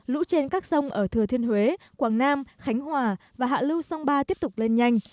lũ trên các sông ở thừa thiên huế quảng nam khánh hòa và hạ lưu sông ba tiếp tục lên nhanh